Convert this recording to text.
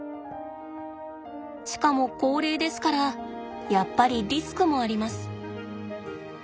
しかも高齢ですからやっぱりリスクもあります。